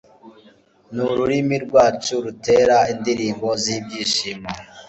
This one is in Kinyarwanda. n’ururimi rwacu rutera indirimbo z’ibyishimo